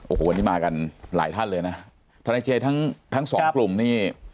โอ้โหวันนี้มากันหลายท่านเลยนะธนาคิเชฟทั้ง๒กลุ่มนี่